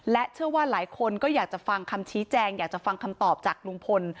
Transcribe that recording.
เชื่อว่าหลายคนก็อยากจะฟังคำชี้แจงอยากจะฟังคำตอบจากลุงพล